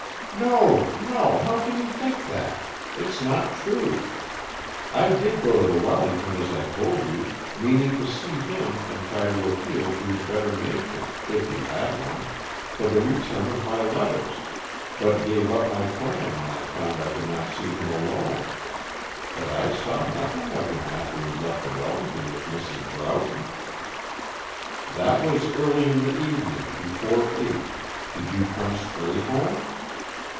"No, no! How can he think that? It is not true! I did go to the Wellington as I told you, meaning to see him and try to appeal to his better nature, if he had one, for the return of my letters, but gave up my plan when I found I could not see him alone. But I saw nothing of him after he left the Wellington with Mrs. Broughton." "That was early in the evening, before eight. Did you come straight home?"